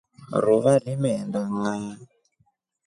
Ruva limeenda ngʼaa.